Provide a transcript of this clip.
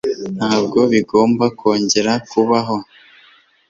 Ntabwo bigomba kongera kubaho